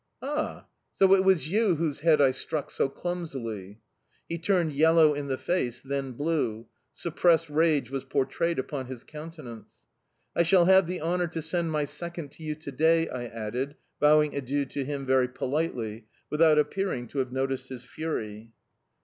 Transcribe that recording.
"Ah! So it was you whose head I struck so clumsily?"... He turned yellow in the face, then blue; suppressed rage was portrayed upon his countenance. "I shall have the honour to send my second to you to day," I added, bowing adieu to him very politely, without appearing to have noticed his fury.